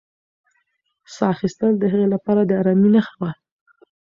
ساه اخیستل د هغې لپاره د ارامۍ نښه وه.